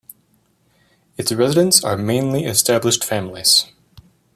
Its residents are mainly established families.